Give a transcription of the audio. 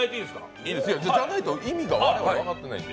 はい、じゃないと意味が我々分かっていないので。